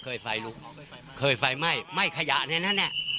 ใช่เคยไฟมัยไหม้ไขยาแค่นี้แน่